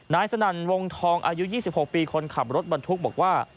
สนั่นวงทองอายุ๒๖ปีคนขับรถบรรทุกบอกว่า